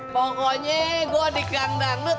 pokoknya gue udah di gang dangdut